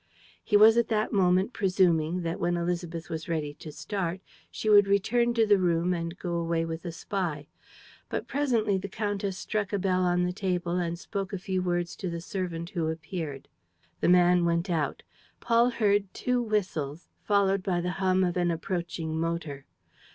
He was at that moment presuming that, when Élisabeth was ready to start, she would return to the room and go away with the spy; but presently the countess struck a bell on the table and spoke a few words to the servant who appeared. The man went out. Paul heard two whistles, followed by the hum of an approaching motor.